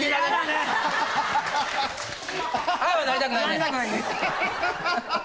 なりたくないね。